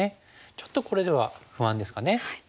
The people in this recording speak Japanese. ちょっとこれでは不安ですかね。